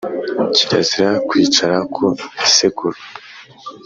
kirazira kwicara ku isekuru